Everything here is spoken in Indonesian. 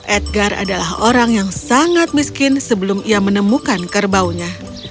edgar adalah orang yang sangat miskin sebelum ia menemukan kerbaunya